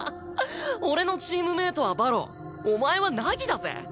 俺のチームメートは馬狼お前は凪だぜ？